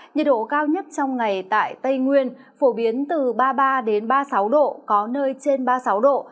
nhiệt độ cao nhất trong ngày tại tây nguyên phổ biến từ ba mươi ba ba mươi sáu độ có nơi trên ba mươi sáu độ